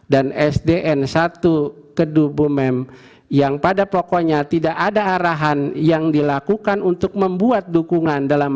dan sdn satu keduduk mem yang pada pokoknya tidak ada arahan yang dilakukan untuk membuat dukungan dalam